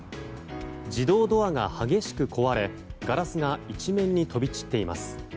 自動ドアが激しく壊れ、ガラスが一面に飛び散っています。